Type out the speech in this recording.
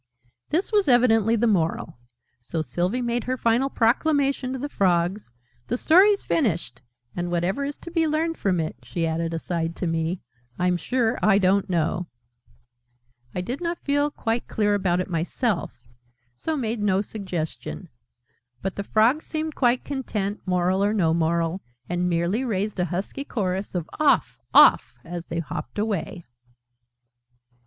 This was evidently the Moral: so Sylvie made her final proclamation to the Frogs. "The Story's finished! And whatever is to be learned from it," she added, aside to me, "I'm sure I don't know!" I did not feel quite clear about it myself, so made no suggestion: but the Frogs seemed quite content, Moral or no Moral, and merely raised a husky chorus of "Off! Off!" as they hopped away.